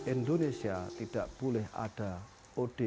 indonesia tidak boleh ada odp